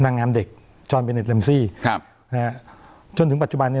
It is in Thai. นางงามเด็กจอนเบเน็ตเลมซี่ครับนะฮะจนถึงปัจจุบันนี้